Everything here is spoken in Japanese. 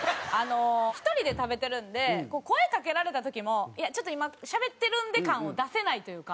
１人で食べてるんで声かけられた時も「ちょっと今しゃべってるんで」感を出せないというか。